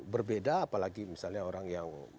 berbeda apalagi misalnya orang yang